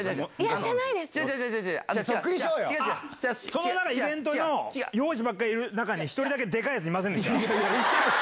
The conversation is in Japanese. そのイベントの、幼児ばっかりいる中に一人だけでかいやついませんでした？